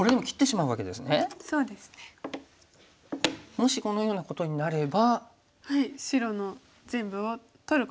もしこのようなことになれば。白の全部を取ることができました。